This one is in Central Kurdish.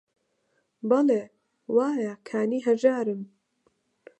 بەڵێ: وایە کانی هەژارن